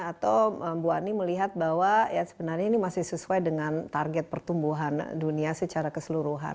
atau bu ani melihat bahwa ya sebenarnya ini masih sesuai dengan target pertumbuhan dunia secara keseluruhan